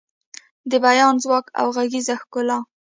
د بیان ځواک او غږیز ښکلا